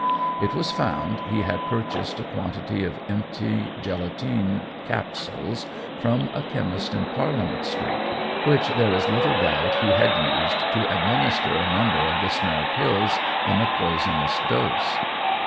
It was found he had purchased a quantity of empty gelatine capsules from a chemist in Parliament Street, which there is little doubt he had used to administer a number of the small pills in a poisonous dose.